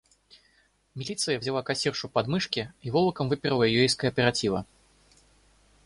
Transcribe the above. Милиция взяла кассиршу под мышки и волоком выперла её из кооператива.